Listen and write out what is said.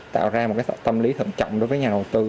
tạo ra một tâm lý thận trọng đối với nhà đầu tư